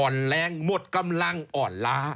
แรงหมดกำลังอ่อนล้า